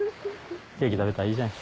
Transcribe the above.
ケーキ食べたらいいじゃん。